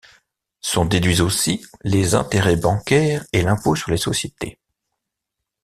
Sont déduits aussi les intérêts bancaires et l'impôt sur les sociétés.